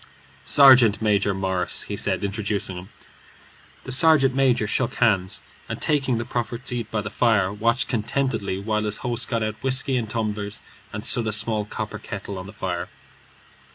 "Sergeant Major Morris," he said, introducing him. The sergeant major shook hands, and taking the proffered seat by the fire, watched contentedly while his host got out whiskey and tumblers and stood a small copper kettle on the fire.